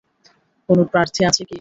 কোন প্রার্থী আছে কি?